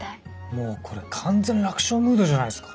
もうこれ完全楽勝ムードじゃないですか。